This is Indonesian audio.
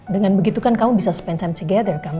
dengan begitu kan kamu bisa spend time together kamu